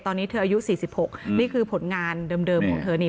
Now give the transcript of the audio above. ตอนนี้เธออายุ๔๖นี่คือผลงานเดิมของเธอนี่